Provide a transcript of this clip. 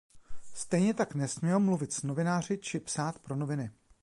Stejně tak nesměl mluvit s novináři či psát pro noviny.